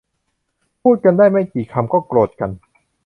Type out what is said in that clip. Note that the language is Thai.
พูดกันได้ไม่กี่คำก็โกรธกัน